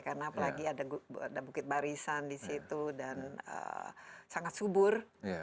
karena apalagi ada bukit barisan di situ dan sangat subur